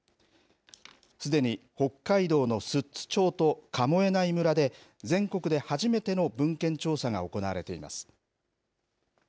すでに北海道の寿都町と神恵内村で、全国で初めての文献調査が行われています。